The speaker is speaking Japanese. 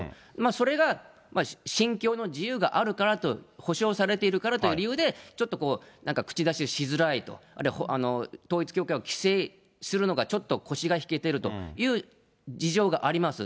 それが信教の自由があるからと、保証されているからという理由で、ちょっとこう、なんか口出ししづらいと、あるいは統一教会を規制をするのがちょっと腰が引けてるという事情があります。